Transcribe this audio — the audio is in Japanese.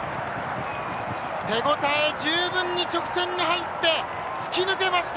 手応え十分に直線に入って突き抜けました。